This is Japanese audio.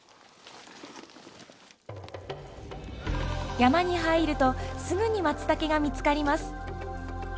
山に入るとすぐにマツタケが見つかります。